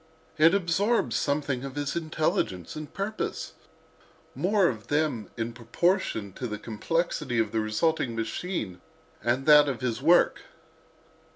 It absorbs something of his intelligence and purpose—more of them in proportion to the complexity of the resulting machine and that of its work.